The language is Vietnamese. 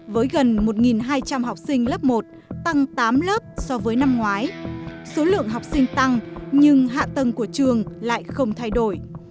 với gần một hai trăm linh học sinh lớp một tăng tám lớp so với năm ngoái số lượng học sinh tăng nhưng hạ tầng của trường lại không thay đổi